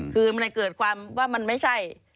คือมันเลยเกิดความว่ามันไม่ใช่